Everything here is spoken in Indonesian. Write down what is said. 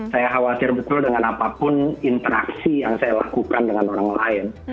saya khawatir betul dengan apapun interaksi yang saya lakukan dengan orang lain